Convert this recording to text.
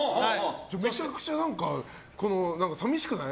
めちゃくちゃ、寂しくない。